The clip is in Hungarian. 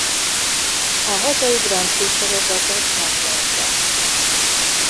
A hazai grand prix sorozatot megnyerte.